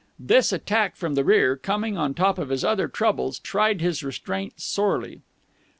This attack from the rear, coming on top of his other troubles, tried his restraint sorely.